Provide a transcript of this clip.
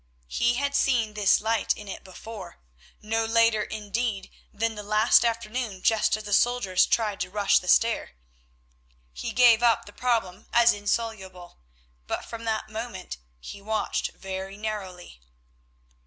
He had seen this light in it before, no later indeed than the last afternoon just as the soldiers tried to rush the stair. He gave up the problem as insoluble, but from that moment he watched very narrowly.